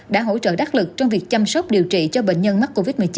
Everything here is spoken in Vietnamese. đã hỗ trợ đắc lực trong việc chăm sóc điều trị cho bệnh nhân mắc covid một mươi chín